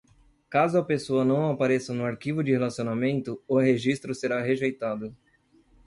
Caso a pessoa não apareça no arquivo de relacionamento, o registro será rejeitado.